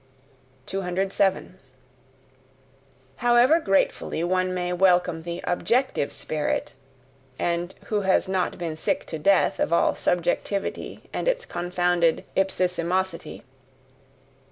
207. However gratefully one may welcome the OBJECTIVE spirit and who has not been sick to death of all subjectivity and its confounded IPSISIMOSITY!